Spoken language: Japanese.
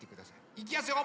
いきやすよ。